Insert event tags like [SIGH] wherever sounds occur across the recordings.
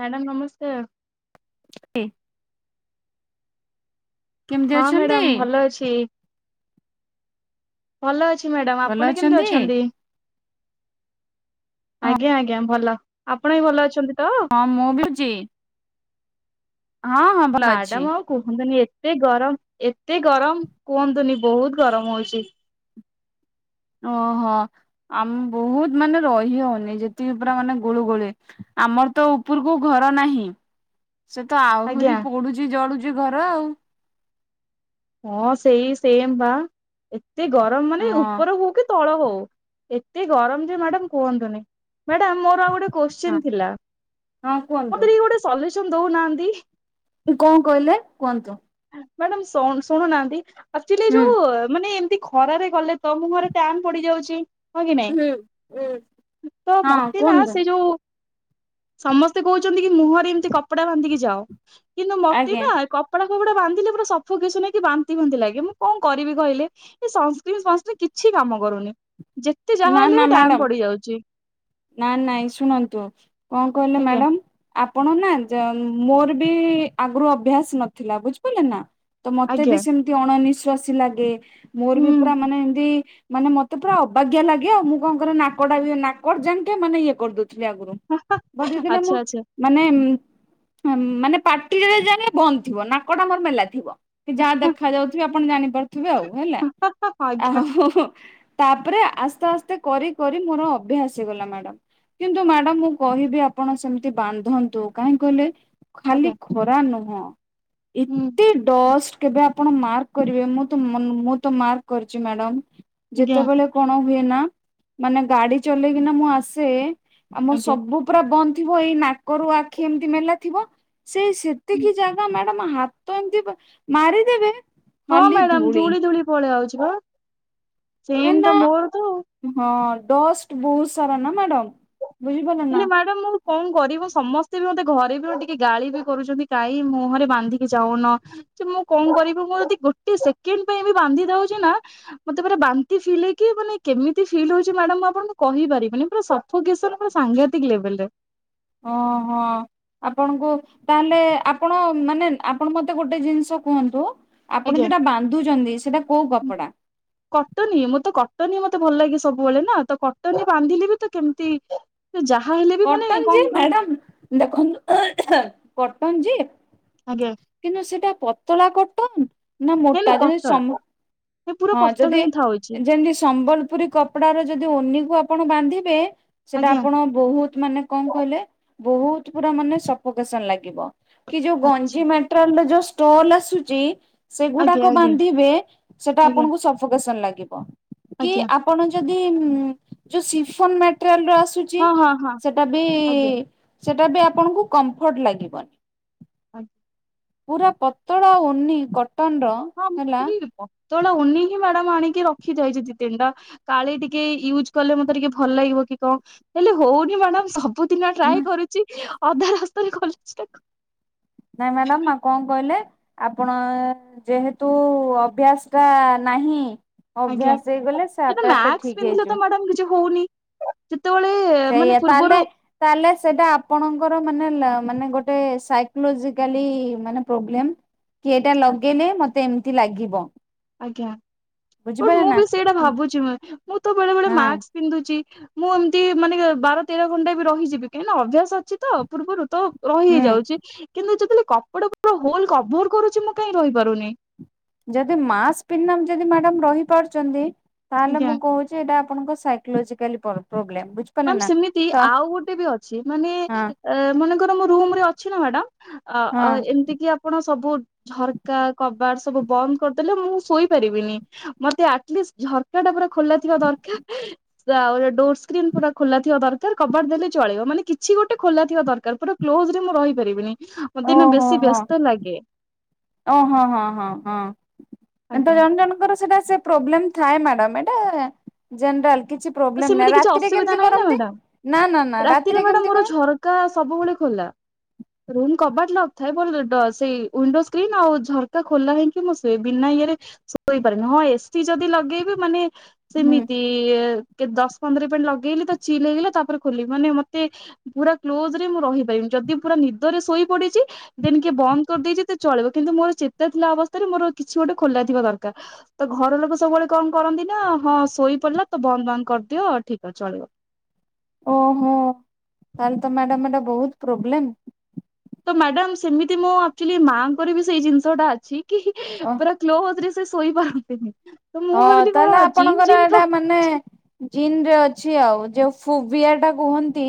Madam ନମସ୍କାର। [UNINTELLIGIBLE] କେମିତି ହଁ ଅଛନ୍ତି? ମ୍ୟାଡ଼ାମ ଭଲ ଅଛି। ଭଲ ଅଛି ମ୍ୟାଡାମ ଆପଣ କେମିତି ଅଛନ୍ତି? ଆଜ୍ଞା ଆଜ୍ଞା ଭଲ ଆପଣ ବି ଭଲ ଅଛନ୍ତି ତ? ହଁ ମୁଁ ପିଉଚି। ଭଲ ମାଡାମ୍ ଅଛି। ଆଉ। କୁହନ୍ତୁନି ଏତେ ଗରମ୍ ଏତେ ଗରମ୍ କୁହନ୍ତୁନି ବହୁତ୍ ଗରମ୍ ହଉଚି। ଓହୋ ଆମ୍ ବହୁତ୍ ମାନେ ରହି ହଉନି ଯେତିକି ପୁରା ମାନେ ଗୁଳୁ ଗୋଳି। ଆମର ତ ଉପୁରୁକୁ ଘର ନାହିଁ। ସେ ତ ଆହୁରି ଆଜ୍ଞା ପୋଡୁଚି ଜଳୁଚି ଘର ଆଉ। ହଁ ସେଇ ସେମ୍ ବା ଏତେ ଗରମ ମାନେ ହଁ ଉପର ହଉ କି ତଳ ହଉ ଏତେ ଗରମ ଯେ ମାଡାମ୍ କୁହନ୍ତୁନି। ମାଡାମ୍ ମୋର ଆଉ ଗୋଟେ ହଁ କୋଶ୍ଚୀନ ଥିଲା ହଁ କୁହନ୍ତୁ। ମୋତେ ଟିକେ ଗୋଟେ ସଲ୍ୟୁସନ୍ ଦଉନାହାନ୍ତି। ଉଁ କଣ କହିଲେ କୁହନ୍ତୁ। ମ୍ୟାଡ଼ାମ ସନ୍ ଶୁଣୁନାହାନ୍ତି ଆକଚୁଆଲି। ହୁଁ। ତ ମାନେ ଏମତି ଖରାରେ ଗଲେ ତ ମୁଁହରେ ଟ୍ୟାନ ପଡିଯାଉଚି। ହଁ କି ନାଇଁ ହୁଁ। ତ ହଁ ମତେ ନା କୁହନ୍ତୁ ସେ ଯୋଉ। ସମସ୍ତେ କହୁଚନ୍ତି କି ମୁହଁରେ ଏମତି କପଡା ବାନ୍ଧିକି ଯାଅ କିନ୍ତୁ ମତେ ଆଜ୍ଞା ନା କ ମୁହଁଟା ବାନ୍ଧିଲେ ପୁରା ସଫୋକେସନ୍ ହେଇକି ବାନ୍ତି ବାନ୍ତି ଲାଗେ ମୁଁ କଣ କରିବି କହିଲେ। ଏ ସଂସ୍କ୍ରିନ ଫଂସ୍କ୍ରିନ କିଛି କାମ କରୁନି ଯେ ନା ନା ମାଡାମ୍ ନା ନାଇଁ ଶୁଣନ୍ତୁ କଣ କହିଲେ ଆଜ୍ଞା ମାଡାମ୍ ଆପଣ ନା ଯ ମୋର ବି ଆଗୁରୁ ଅଭ୍ୟାସ ନଥିଲା ବୁଝିପାଇଲେ ନା। ତ ମତେ ବି ଆଜ୍ଞା ସେମତି ଅଣନିଶ୍ୱାସୀ ଲାଗେ ମୋର ହୁଁ ବି ପୁରା ମାନେ ଏମତି। ମାନେ ମତେ ପୁରା ଅବାଗିଆ ଲାଗେ ଆଉ ମୁଁ କଣ କରେ ନାକଟା ବି ନାକଜାଙ୍କେ ମାନେ ଇଏ କରିଦେଉଥିଲି ଆଗୁରୁ। ବଢେଇଦେଲେ ଆଚ୍ଛା ମଁ। ଆଚ୍ଛା ମାନେ ଉଁ ମାନେ ପାଟିରେ ଯାଣି ବନ୍ଦ ଥିବ ନାକଟା ମୋର ମେଲା ଥିବ। କି ଯାହା ଦେଖା ଯାଉଥିବି ଆପଣ ଜାଣିପାରୁଥିବେ ଆଉ ହେଲା ଆ। ଆଜ୍ଞା ଆଜ୍ଞା [UNINTELLIGIBLE] ତାପରେ ଆସ୍ତେ ଆସ୍ତେ କରି କରି ମୋର ଅଭ୍ୟାସ୍ ହେଇଗଲା ମାଡାମ୍। କିନ୍ତୁ ମ୍ୟାଡାମ ମୁଁ କହିବି ଆପଣ ସେମିତି ବାନ୍ଧନ୍ତୁ କାହିଁ କହିଲେ ଖାଲି ଖରା ନୁହଁ ହୁଁ ଏତେ ଡଷ୍ଟ କେବେ ଆପଣ ମାର୍କ କରିବେ ମୁଁ ମୁଁ ତ ମାର୍କ କରିଛି ମ୍ୟାଡ଼ ଆଜ୍ଞା ଯେତେବେଳେ କଣ ହୁଏ ନା ମାନେ ଗାଡି ଚଲେଇକିନା ମୁଁ ଆସେ ଆମର ଆଜ୍ଞା ସବୁ ପୁରା ବନ୍ଦ ଥିବ ଏଇ ନାକରୁ ଆଖି ଏମିତି ମେଲା ଥିବ ସେଇ ସେତିକି ଜାଗା ମ୍ୟାଡାମ ହାତ ଏମିତି ମାରିଦେବେ ହଁ ମ୍ୟାଡାାମ ଧୂଳି ଧୂଳି ପଳେଇ ଆାଉଛି ବା କାହିଁକି ସେମ ନା ତ ମୋର ତ ହଁ ଡଷ୍ଟ ବହୁତ ସାରା ନା ମ୍ୟାଡ଼ାମ? ହେ ମ୍ୟାଡ଼ ମୁ କଣ କରିବ ସମସ୍ତେ ବି ମତେ ଘରେ ବି ଟିକେ ଗାଳି ବି କରୁଛନ୍ତି କାହିଁ ମୁହଁରେ ବାନ୍ଧିକି ଯାଉନ। ମୁଁ କଣ କରିବି ମୁଁ ଯଦି ଗୋଟେ ସେକେଣ୍ଡ ପାଇଁ ବି ବାନ୍ଧି ଦଉଛି ନା ମତେ ପୁର ବାନ୍ତି ଫ ହେଇକି ମାନେ କେମତି ଫ ହଉଛି ମଡ ମୁଁ ଆପଣଙ୍କୁ କହିପାରିବିନନି ପୁର ପୁରା ସାଘାତିକ ଲେବଲ ରେ। ଓହୋ। ଆପଣଙ୍କୁ ତାହେଲେ ଆପଣ ମାନେ ଆପଣ ମତେ ଗୋଟେ ଜିନିଷ କୁହନ୍ତୁ? ଆପଣ ଆଜ୍ଞା। ଯୋଉଟା ବାନ୍ଧୁଛନ୍ତି ସେଟା କୋଉ କପଡା? କଟନ ମୋତ ତ କଟନ ହି ମତେ ଭଲ ଲାଗେ ସବୁବେଳେ ନା ତ କଟନ ବାନ୍ଧିଲି ବି ତ କେମିତି ତ ଯାହା ହେଲେ ବି ମାନେ କଟନ ଯେ କଣ କହ ମ୍ୟାଡାମ ଦେଖନ୍ତୁ କଟନ ଯେ ଆଜ୍ଞା। କିନ୍ତୁ ସେଟା ପତଳା କଟନ। ନା ନାଇଁ ମୋଟା ନାଇଁ ଯଦି ପତଳା ସମ ପୁରା ହଁ ପତଳା ଯଦି ହିଁ ଥାଉଛି। ଯେମିତି ସମ୍ବଲପୁରୀ କପଡା ର ଯଦି ଓନିକୁ ଆପଣ ବାନ୍ଧିବେ ସେଟା ଆଜ୍ଞା ଆପଣ ବହୁତ ମାନେ କଣ କହିଲେ ବହୁତ ପୁରା ମାନେ ସପ କେଶନ ଲାଗିବ କି ଯୋଉ ଗଞ୍ଜି ଆଚ୍ଛା ଟ୍ରାଲରଯୋଉ ଷ୍ଟୋଲ ଆସୁଛି ଆଜ୍ଞା ସେଗୁଡାକ ଆଜ୍ଞା ବାନ୍ଧିବେ ସେଟା ଆଜ୍ଞା ଆପଣଙ୍କୁ ସପକ୍ଲାଗ କି ଆଜ୍ଞା ଆପଣ ଯଦି ଉଁ ଯୋଉ ସିଫନ ମାଟେରିଆଲ ର ଆସୁ ହଁ ହଁ ହଁ। ସେଟା ବି ଆଜ୍ଞା ସେଟା ବି ଆପଣଙ୍କୁ କମ୍ଫର୍ଟ ଲାଗିବନି। ଆଗ୍ ପୁରା ପତଳା ଓନି କଟନ ର ହଁ ମୁଁ ହିଁ ହେଲା ପତଳା ଉନି ହିଁ ମ୍ୟାଡ଼ାମ ଆଣିକି ରଖି ଯାଇଚି ଦି ତିନିଟା କାଳେ ଟିକେ ୟୁଜ କଲେ ମତେ ଟିକେ ଭଲ ଲାଗିବ କି କ ହେଲେ ହଉନି ମ୍ୟାଡାମ ସବ ସବୁ ଦିନ ଟ୍ରାଏ କରୁଚି ଅଧା ରାସ୍ତାରେ ଖୋଲୁଚି ତାକୁ। ନାଇଁ ମ୍ୟାଡାମ ମା କଣ କଇଲେ ଆପଣ ଯେହେତୁ ଅଭ୍ୟାସ ଟା ନାହିଁ ଆଜ୍ଞା ଅଭ୍ୟାସ ହେଇଗଲେ ସେ ଆପେ ଆପେ ଠିକ୍ ହେଇଯିବ। ମାଡ଼ାମ କିଛି ହଉନି? ଯେତେବେଳେ ମାନେ ସେଇୟା ତାଏଲେ ପୂର୍ବରୁ ତାହେଲେ ସେଟା ଆପଣଙ୍କର ମାନେ ଲା ମାନେ ଗୋଟେ ସାଇକୋଲୋଜିକାଲି ମାନେ ପ୍ରବ୍ଲେମ କି ଏଟା ଲଗେଇଲେ ମତେ ଏମିତି ଲାଗିବ। ଆଜ୍ଞା ବୁଝିପାରିଲେ ମୁଁ ନା ବି ସେଇଟା ଭାବୁଚି ମୁଁ ତ ବେଳେ ବେଳେ ହଁ ମାସ୍ ପିନ୍ଧୁଚି, ମୁଁ ଏମିତି ମାନେ ବାର ତେର ଘଣ୍ଟା ବି ରହିଯିବି କାହିଁକିନା ଅଭ୍ୟାସ ଅଛି ତ ପୂର୍ବରୁ ତୋ ରହି ହୁଁ ହେଇ ଯାଉଚି କିନ୍ତୁ ଯେତେବେଳେ କପଡା ପୁରା ହୋଲ କଭର କରୁଚି ମୁଁ କାହିଁ ରହିପାରୁନି? ଯଦି ମାସ୍କ ପିନ୍ଧ ଯଦି ମ୍ୟାଡାମ ରହିପାରୁଚନ୍ତି ତାହେଲେ ଆଜ୍ଞା। ମୁଁ କହୁଚି ସେଟା ଆପଣଙ୍କ ସାଇକୋଲୋଜିକାଲି ପର ପ୍ରୋବ୍ଲେମ୍ ବୂଝ୍ ମ୍ୟାମ ସେମିତି ଆଉ ଗୋଟେ ବି ଅଛି ମାନେ ହଁ ଅ ମନେକର ମୁ ରୁମରେ ଅଛି ନା ମ୍ୟାଡମ୍ ଆ ଅ ହଁ ଆଉ ଏମିତି କିି ଆପଣ ସବୁ ଝରକା କବାଟ ସବୁ ବନ୍ଦ କରିଦେଲେ ମୁଁ ଶୋଇପାରିବିନି। ମତେ ଆଟଲିଷ୍ଟ ଝରକା ଟା ପୁରା ଖୋଲା ଥିବା ଦରକାର ଆଉ ଡୋର ସ୍କ୍ରିନ୍ ପୁରା ଖୋଲା ଥିବା ଦରକାର କବାଟ ଦେଲେ ଚଳିବ ମାନେ କିଛି ଗୋଟେ ଖୋଲା ଥିବା ଦରକାର ପୁରା କ୍ଲୋଜ୍ ରେ ମୁଁ ରହିପାରିବିନି। ମୋତେ ନା ଓହୋ ବେଶୀ ହଁ ବ୍ୟସ୍ତ ଲାଗେ। ଓ ହଁ ହଁ ହଁ ହଁ ତ ଆଜ୍ଞା ଜଣ ଜଣଙ୍କର ସେଇଟା ସେ ପ୍ରୋବ୍ଲେମ୍ ଥାଏ ମାଡ଼ାମ ଏଟା ଜେନେରାଲ କିଛି ତ ପ୍ରୋବଲେମ୍ ସେମିତି ନାଇ କିଛି ରାତିରେ ଅସୁବିଧା କେମତି ନାହିଁ ନା କରନ୍ତି ମ୍ୟାଡାମ ନା ନା ନା ରାତିରେ କେମତି କରନ୍ତି। କା ସବୁବେଳେ ଖୋଲା। ରୁମ କବାଟ ଲକ ଥାଏ ବ ସେଇ ୱିଣ୍ଡୋ ସ୍କ୍ରିନ୍ ଆଉ ଝରକା ଖୋଲା ହେଇକି ମୁଁ ଶୁଏ ବିନା ଇଏରେ ଶୋଇପାରେନି ହଁ ଏସି ଯଦି ଲଗେଇବେ ମାନେ ହୁଁ ସିମିତି ଇଏ କେ ଦଶ ପନ୍ଦର ପେଟ ଲଗେଇଲି ତ ଚିଲ ହେଇଗଲେ ତାପରେ ଖୋଲିବି ମାନେ ମତେ ପୁରା କ୍ଲୋଜ ରେ ମୁଁ ରହିପାରିନି ଯଦି ପୁରା ନିଦରେ ଶୋଇ ପଡିଚି ଦେନ କିଏ ବନ୍ଦ କରିଦେଇଚି ଚଳିବ କିନ୍ତୁ ମୋର ଚେତା ଥିଲା ଅବସ୍ଥାରେ ମୋର କିଛି ଗୋଟେ ଖୋଲା ଥିବା ଦରକାର। ତ ଘର ଲୋକ ସବୁବେଳେ କଣ କରନ୍ତି ନା ହଁ ଶୋଇପଡିଲା ତ ବନ୍ଦ୍ ବାନ୍ଦ୍ କରିଦିଅ ଠିକ ଅ ଚଳିବ। ଓହୋ ତାହଲେ ତ ମ୍ୟାଡାମ ଏଟା ବହୁତ ପ୍ରୋବ୍ଲେମ୍। ତ ମ୍ୟାଡାମ ସେମିତି ମୁଁ ଆକଚୁଲି ମାଆଙ୍କର ବି ସେଇ ଜିନିଷ ଟା ଅଛି କି ହି ଓ ପୁରା କ୍ଲୋଜ ରେ ସେ ଶଇ ପାରନ୍ତିନି। ତ ମୁଁ ଓ ଭାବିଲି କଣ ତାହେଲେ ଜିନ୍ ଆପଣଙ୍କର ଜିନ୍ ଏଇଟା ପ୍ରୋବ୍ଲେମ ମାନେ ଅଛି ଜିନ ରେ ଅଛି ଆଉ ଯୋଉ ଫୁବିଆ ଟା କୁହନ୍ତି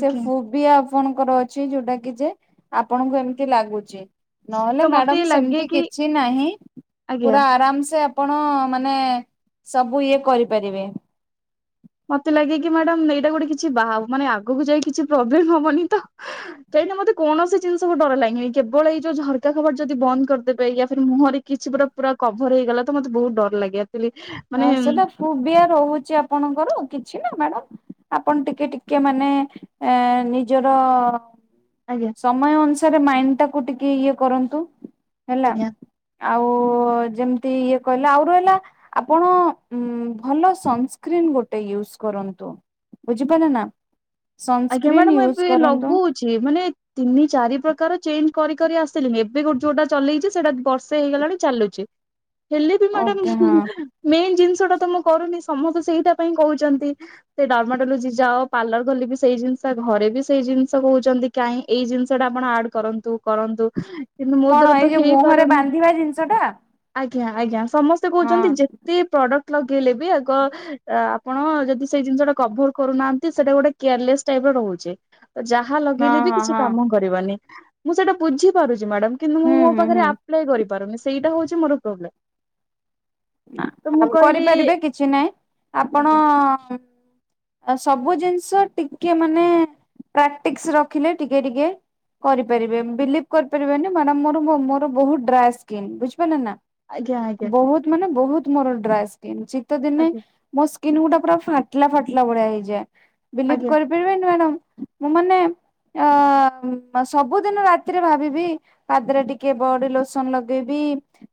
ସେ ଫୁ ଫୁବିଆ ଆପଣଙ୍କର ଅଛି ଯୋଉଟା କି ଯେ ଆପଣଙ୍କୁ ଏମିତି ଲାଗୁଚି। ନହେଲେ ତ ମତେ ମ୍ୟାଡାମ ଲାଗେ ସେମିତି କି କିଛି ନାହିଁ ଆଜ୍ଞା ପୁରା ଆରାମ ସେ ଆପ ଣ ମାନେ ସବୁ ଇଏ କରିପାରିବେ। ମତେ ଲାଗେ କି ମ୍ୟାଡାାମ ଏଇଟା ଗୋଟେ କିଛି ବାହୁ ମାନେ ଆଗକୁ ଯାଇ କିଛି ପ୍ରୋବ୍ଲେମ ହବନି ତ। ସେଇଟା ମତେ କୌଣସି ଜିନିଷ କୁ ଡର ଲାଗେନି କେବଳ ଏଇ ଯୋଉ ଝରକା କବାଟ ଯଦି ବନ୍ଦ କରିଦେବେ ୟା ଫିର୍ ମୁହଁରେ କିଛି ଗୋଟା ପୁରା କଭର ହେଇଗଲା ତ ମତେ ବହୁତ ଡର ଲାଗେ ଆକଚୁଆଲି ହଁ ସେଇଟା ଫୁବିଆ ରହୁଚି ଆପଣଙ୍କର କିଛି ନାଇ ମ୍ୟାଡାମ ଆପଣ ଟିକେ ଟିକେ ମାନେ ଏଁ ନିଜର ଆଜ୍ଞା ସମୟ ଅନୁସାରେ ମାଇଣ୍ଡ ଟାକୁ ଟିକେ ଇଏ କରନ୍ତୁ ହେଲା ଆଜ୍ଞା ଆଉ ଯେମିତି ଇଏ କହିଲା ଆଉ ରହିଲା ଆପଣ ଉ ଭଲ ସନ୍ ସ୍କ୍ରିନ୍ ଗୋଟେ ୟୁଜ୍ କରନ୍ତୁ ବୁଝିପାଇଲେ ନା ସନସ୍କ୍ରିନ୍ ୟୁଜ କରନ୍ତୁ ଚି ମାନେ ତିନି ଚାରି ପ୍ରକାର ଚେଞ୍ଜ କରି କରି ଆସିଲିଣି ଏବେ ଗ ଯୋଉଟା ଚଲେଇଛି ସେଇଟା ବର୍ଷେ ହେଇଗଲାଣି ଚାଲୁଛି ହେଲେ ବି ମ୍ୟାଡାମ ଓକେ ହଁ ମେନ୍ ଜିନିଷ ଟା ତ ମୁଁ କରୁନି ସମସ୍ତେ ସେଇଟା ପାଇଁ କହୁଛନ୍ତି ସେ ଡର୍ମାଟଲଜି ଯାଅ ପାର୍ଲର ଗଲେ ବି ସେଇ ଜିନିଷ ଘରେ ବି ସେଇ ଜିନିଷ କହୁଛନ୍ତି କାହିଁ ଏଇ ଜିନିଷ ଟା ଆପଣ ଆଡ୍ କରନ୍ତୁ କରନ୍ତୁ କିନ୍ତୁ ମୋ କଣ ଦ୍ଵାର ଏଇ ତ ଯୋଉ ମୁହଁରେ ହେଇପାରୁନି ବାନ୍ଧିବା ଜିନିଷ ଟା ଆଜ୍ଞା ଆଜ୍ଞା ସମସ୍ତେ ହଁ କହୁଛନ୍ତି ଯେ ଯେତେ ପ୍ରଡକ୍ଟ ଲଗେଇଲେ ବି ଆଗ ଆପଣ ଯଦି ସେଇ ଜିନିଷଟା କଭର କରୁନାହାନ୍ତି ସେଇଟା ଗୋଟେ କ୍ୟାର୍ଲେସ୍ ଟାଇପ ର ରହୁଛି ଯାହା ହଁ ଲଗେଇଲେ ବି ହଁ କିଛି ହଁ କାମ ରିବନି ମୁଁ ସେଇଟା ବୁଝି ପାରୁଛି ମ୍ୟାଡମ୍ କିନ୍ତୁ ମୁଁ ହୁଁ ମୋ ହୁଁ ହୁଁ ପାଖରେ ଆ କରିପାରୁନି ସେଇଟା ହଉଛି ମୋର ପ୍ରବ୍ଲେମ୍ କହିଲି କରିପାରିବେ କିଛି ନାହିଁ ଆପଣ ଆଜ୍ଞା ଆ ସବୁ ଜିନିଷ ଟିକେ ମାନେ ପ୍ରାକ୍ଟିସ ରଖିଲେ ଟିକେ ଟିକେ କରିପାରିବେ ବିଲିଭ୍ କରିପାରିବେନି ମାଡ଼ାମ୍ ମୋର ବହୁ ଡ୍ରାଏ ସ୍କିନ୍ ବୁଝିପାରିଲେ ନା ଆଜ୍ଞା ଆଜ୍ଞା ବହୁତ ମାନେ ବହୁତ ମୋର ଡ୍ରାଏ ସ୍କିନ୍ ଶୀତ ଦିନେ ଆଜ୍ଞା ମୋ ସ୍କିନ୍ ଗୁଡ଼ା ପୁରା ଫାଟିଲା ଫାଟିଲା ଭଳିଆ ହେଇଯାଏ ବିଲିଭ ଆଜ୍ଞା କରି କରି ପାରିବେନି ମ୍ୟାଡ଼ମ ମୁଁ ମାନେ ଆ ସବୁଦିନ ରାତିରେ ଭାବିବି ପାଦରେ ଟିକେ ବଡି ଲୋସନ ଲଗେଇବି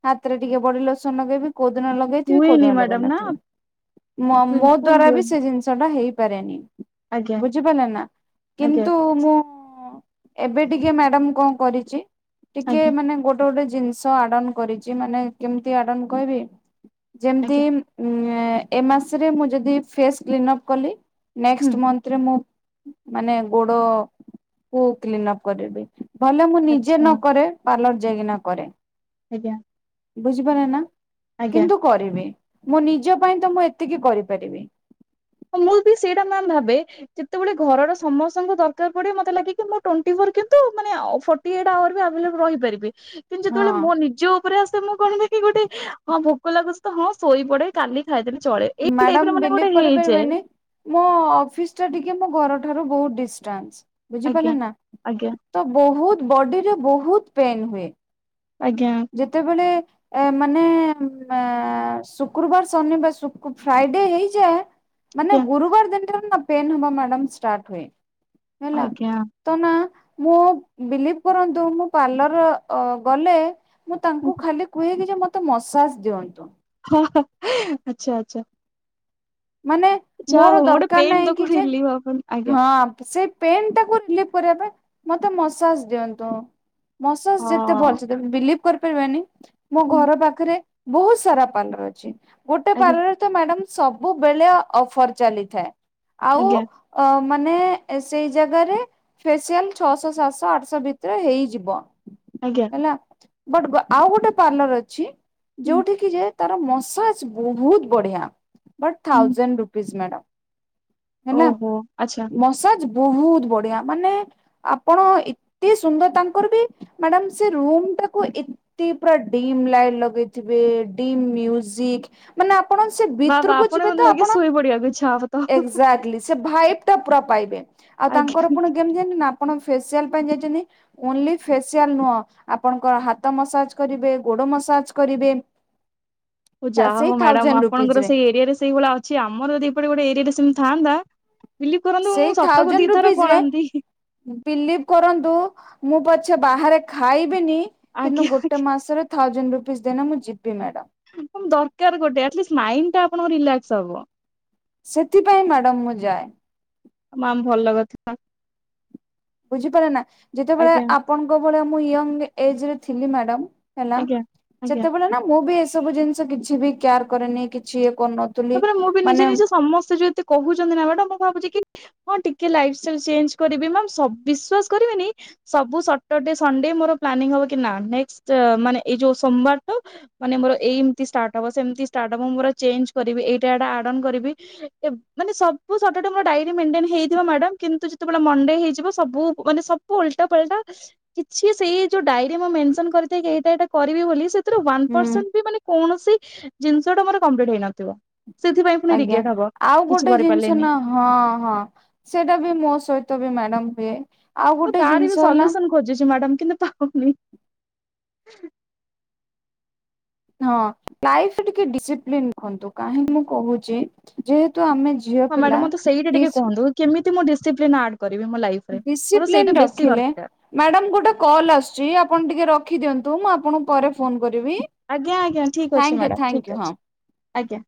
ହାତରେ ଟିକେ ବଡି ଲୋସନ ଲଗେଇବି କୋଉଦିନ ଲଗେଇଥିବେ ହୁଏନି କୋଉଦିନ ମ୍ୟାଡାମ ଲଗେଇ ନା ନଥିବେ ମୋ ବିଲକୁଲ ଦ୍ଵାରା ବି ହୁଏନି ସେ ଜିନିଷଟା ହେଇପାରେନି ଆଜ୍ଞା ବୁଝିପାରିଲେ ନା ଆଜ୍ଞା କିନ୍ତୁ ମୁଁ ଏବେ ଟିକେ ମ୍ୟାଡାମ କଣ କରିଛି ଟିକେ ଆଜ୍ଞା ମାନେ ଗୋଟେ ଗୋଟେ ଗୋଟେ ଜିନିଷ ଆଡ଼ନ କରିଛି ମାନେ କେମିତି ଆଡ଼ନ କହିବି ଯେମିତି ଆଜ୍ଞା ଏ ମାସରେ ମୁଁ ଯଦି ଫେସ୍ କ୍ଲିନଅପ୍ କଲି ହୁଁ ନେକ୍ସଟ୍ ମନ୍ଥରେ ମୁଁ ମାନେ ଗୋଡ କୁ କ୍ଲିନ୍ ଅପ କରିବି ଭଲେ ମୁଁ ନିଜେ ଆଚ୍ଛା ନ କରେ ପାର୍ଲର ଯାଇକିନା କରେ ଆଜ୍ଞା ବୁଝିପାରିଲେ ନା ଆଜ୍ଞା କିନ୍ତୁ କରିବି ମୋ ନିଜ ପାଇଁ ତ ମୁଁ ଏତିକି କରିପାରିବି ମୁଁ ବିି ସେଇଟା ମ୍ୟାମ୍ ଭାବେ ଯେତେବେଳେ ଘରର ସମସ୍ତଙ୍କୁ ଦରକାର ପଡିବ ମତେ ଲାଗେ କି ଟଣ୍ଟି ଫୋର କିନ୍ତୁ ମାନେ ଫୋଟି ଏଇଟ୍ ହାୱାର୍ ବି ଆଭେଲେବଲ ରହିପାରିବି କିନ୍ତୁ ହଁ ଯେତେବେଳେ ମୋ ନିଜ ଉପରେ ଆସେ ମୁଁ କଣ କହିବି କି ଗୋଟେ ହଁ ଭୋକ ଲାଗୁଛି ତ ହଁ ଶୋଇ ପଡେ କାଲି ଖାଇଦେବି ଚଳେ ଏଇ ମ୍ୟାଡାମ ଟାଇପରେ ମାନେ ବିଲିଭ ଗୋଟେ ହେଇଛି କରିପାରିବେନି ମୋ ଅଫିସ ଟା ଟିକେ ମୋ ଘର ଠାରୁ ବହୁତ ଡିଷ୍ଟାନ୍ସ ଆଜ୍ଞା ବୁଝିପାରିଲ ନା ଆଜ୍ଞା ତ ବହୁତ ବଡି ରେ ବହୁତ ପେନ୍ ହୁଏ ଆଜ୍ଞା ଯେତେବେଳେ ମାନେ ଶୁକ୍ରବାର ଶନିବାର ଶୁ ଫ୍ରାଇଡେ ହେଇଯାଏ ମାନେ ଗୁରୁବାର ଦିନ ଠାରୁ ପେନ୍ ହେବା ମ୍ୟାଡ଼ାମ୍ ଷ୍ଟାର୍ଟ ହୁଏ ହେଲା ଆଜ୍ଞା ତ ନା ମୁଁ ବିଲିଭ୍ କରନ୍ତୁ ମୁଁ ପାର୍ଲର ଅ ଗଲେ ମୁଁ ତାଙ୍କୁ ଆଜ୍ଞା। ଖାଲି କୁହେନି ଯେ ମତେ ମସାଜ ଦିଅନ୍ତୁ ହଁ ଆଚ୍ଛା ଆଚ୍ଛା ମାନେ ଯାହା ମୋର ହଉ ଗୋଟେ ଦରକାର ପେନ୍ ନାହିଁ ତ କି ଯେ କୋଉଠି ଆପଣ ଆଜ୍ଞା। ହଁ ସେ ପେନ୍ ଟାକୁ ରିଲିଫ୍ କରିବା ପାଇଁ ମତେ ମସାଜ ଦିଅନ୍ତୁ ମୋସାଜ୍ ଯେତେ ଭଲ ହଁ ସେ ଦେବେ ବିଲିଭ୍ କରିପାରିବେନି ମୋ ହୁଁ ଘର ପାଖରେ ବହୁତ ସାରା ପାର୍ଲର ଅଛି ଗୋଟେ ଆଜ୍ଞା ପାର୍ଲରରେ ତ ମ୍ୟାଡାମ ସବ ସବୁବେଳେ ଅଫର ଚାଲିଥାଏ ଆଉ ଆଜ୍ଞା ଅ ମାନେ ସେଇ ଜାଗାରେ ଫେସିଆଲ ଛଅଶହ ସାତଶହ ଆଠଶହ ଭିତରେ ହେଇଯିବ ଆଜ୍ଞା ହେଲା ବଟ ଆଉ ଗୋଟେ ପାର୍ଲର ଅଛି ହୁଁ ଯୋଉଠି କି ଯେ ତାର ମସାଜ୍ ବହୁତ ବଢିଆ ବଟ୍ ହୁଁ ଥାଉଜଣ୍ଡ ରୁପିସ୍ ମ୍ୟାଡ଼ମ ହେଲା ଓହୋ ଆଚ୍ଛା। ମ ମସାଜ୍ ବହୁତ ବଢିଆ ମାନେ ଆପଣ ଏତେ ସୁନ୍ଦର ତାଙ୍କର ବି ମ୍ୟାଡାମ ସେ ରୁମ ଟାକୁ ଏ ପୁରା ଡିମ୍ ଲାଇଟ୍ ଲଗେଇଥିବେ ଡିମ୍ ମ୍ୟୁଜିକ ମାନେ ଆପଣ ସେ ବା ବା, ଭିତରକୁ ବାପଣ ଯିବେ ତ ମତେ ଲାଗେ ଆପଣ ଶୋଇପଡିବାକୁ ଇଚ୍ଛା ହବ ତ। ଏକ୍ଜାକ୍ଟଲି ସେ ଭାଇପ୍ ଟା ପୁରା ପାଇବେ, ଆଉ ଆଜ୍ଞା। ତାଙ୍କର ପୁଣି କେମିତି ଜାଛନ୍ତି ନା ଆପଣ ଫେସିଆଲ ପାଇଁ ଯାଇଛନ୍ତି। ଓନ୍ଲି ଫେସିଆଲ ନୁହଁ, ଆପଣଙ୍କର ହାତ ମସାଜ କରିବେ, ଗୋଡ ମସାଜ କରିବେ। ଉ ଯାହା ସେଇ ହଉ ମ୍ୟାଡାମ ଥାଉଜେଣ୍ଡ ରୁପିଜ ଆପଣଙ୍କର ସେଇ ଏରିଆ ରେ ସେଇଭଳିଆ ଅଛି, ଆମର ଯଦି ଏଇପଟେ ଗୋଟେ ଏରିଆରେ ସେମିତି ଥାନ୍ତା ବିଲିଭ କରନ୍ତୁ ସେଇ ମୁଁ ସତକୁ ଥାଉଜେଣ୍ଡ ଦିଥର ରୁପିଜ ରେ ପଳାନ୍ତି। ବିଲିଭ କରନ୍ତୁ ମୁଁ ପଛେ ବାହାରେ ଖାଇବିନି କିନ୍ତୁ ଆଜ୍ଞା ଗୋଟେ ମାସରେ ଥାଉଜେଣ୍ଡ ରୁପିସ ଦେନେ ମୁଁ ଯିବି ମ୍ୟାଡ ଦରକାର ଗୋଟେ, ଆଟଲିଷ୍ଟ ମାଇଣ୍ଡ ଟା ଆପଣଙ୍କ ରିଲାକ୍ସ ହବ। ସେଥିପାଇଁ ମ୍ୟାଡମ ମୁଁ ଯାଏ। ମାମ୍ ଭଲ କଥା। ବୁଝିପାର ନା, ଯେତେବେଳେ ଆଜ୍ଞା ଆପଣଙ୍କ ଭଲିଆ ମୁଁ ୟଙ୍ଗ ଏଜରେ ଥିଲି ମ୍ୟାଡାମ ହେଲା, ଆଜ୍ଞା ଆଜ୍ଞା। ଯେତେବେଳେ ନା ମୁଁ ବି ଏସବୁ ଜିନିଷ କିଛି ବି କେୟାର କରେନି, କିଛି ଇଏ କରୁନ ତାପରେ ମୁଁ ବି ନିଜେ ନିଜେ ସମସ୍ତେ ଯ ଏତେ କହୁଛନ୍ତି ନା ବାଟା ମୁଁ ଭାବୁଛି କି ହଁ ଟିକେ ଲାଇଫଷ୍ଟାଇଲ ଚେଞ୍ଜ କରିବେ ମ୍ୟାମ, ଷବ୍ ବିଶ୍ବାସ କରିବେନି ସବୁ ସଟରଡେ, ସନଡେ ମୋର ପ୍ଲାନିଂ ହବ କି ନା ନେକ୍ସଟ ମାନେ ଏଇ ଯୋଉ ସୋମବାର ଠୁ ମାନେ ମୋର ଏଇମିତି ଷ୍ଟାର୍ଟ ହବ, ସେମିତି ଷ୍ଟାର୍ଟ ହବ, ମୁଁ ମୋର ଚେଞ୍ଜ କରିବି, ଏଇଟା ଏଟା ଆଡନ କରିବି। ମାନେ ସବୁ ଷଟରଡେ ମୋର ଡାଇରୀ ମେଣ୍ଟେନ ହେଇଥିବ ମ୍ୟାଡାମ କିନ୍ତୁ ଯେତେବେଳେ ମଣ୍ଡେ ହେଇଯିବ ସବୁ ମାନେ ସ ବୁ ଓଲଟା ପଲଟା କିଛି ସେଇ ଯୋଉ ଡାଇରୀ ମୁଁ ମେନସନ କରିଥାଏ କି ଏଇଟା ଏଇଟା କରିବି ବୋଲି ସେ ୱାନ୍ ହୁଁ ପରଷେଣ୍ଟ ବି ମାନେ କୌଣସି ଜିନିଷଟା ମୋର କପ୍ଲିଟ ହେଇନଥିବ। ସେଥିପାଇଁ ପୁଣି ଆଜ୍ଞା ରିଗ୍ରେଟ ହବ, ଆଉ କିଛି ଗୋଟେ କରି ଜିନିଷ ପାରିଲିନି। ନା ହଁ ହଁ, ସେଇଟା ବି ମୋ ସହିତ ବି ମ୍ୟାଡାମ ହୁଏ। ଆଉ ମୁ ଗୋଟେ ତାର ବି ଜିନିଷ ହେଲା ସଲ୍ୟୁସନ ଖୋଜୁଛି, ମ୍ୟାଡାମ କିନ୍ତୁ ପାଉନି। ହଁ ଲାଇଫ୍ ରେ ଟିକେ ଡିସିପ୍ଲିନ [UNINTELLIGIBLE] ନ୍ତୁ, କାହିଁ ମୁଁ କହୁଛି ଯେହେତୁ ଆମେ ଝିଅ ହଁ ପିଲା ମ୍ୟାଡ଼ାମ ମତେ ସେଇଟା ଟିକେ ଡିସି କୁହନ୍ତୁ, କେମିତି ମୁଁ ଡିସିପ୍ଲିନ୍ ଆଡ କରିବି ମୋ ଲାଇଫ୍ ଡିସିପ୍ଲିନ ରଖିଲେ ମ୍ୟାଡାମ ଗୋଟେ କଲ୍ ଆସୁଛି, ଆପଣ ଟିକେ ରଖିଦିଅନ୍ତୁ ମୁଁ ଆପଣଙ୍କୁ ପରେ ଫୋନ କରିବି। ଆଜ୍ଞା ଆଜ୍ଞା, ଠିକ୍ ଅଛି ଥ୍ୟାଙ୍କୟୁ ମ୍ୟାଡ଼ାମ୍ ଠିକ୍ ଥ୍ୟାଙ୍କୟୁ ହଁ। ଅଛି, ଆଜ୍ଞା।